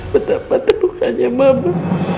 betapa terukannya mama